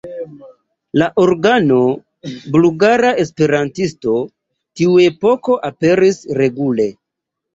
La organo "Bulgara Esperantisto" tiuepoke aperis regule.